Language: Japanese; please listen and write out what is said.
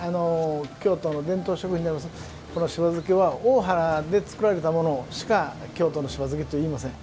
京都の伝統食であるしば漬けは大原で漬けたものしか京都のしば漬けとは言いません。